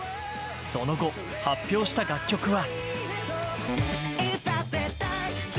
その後、発表した楽曲は。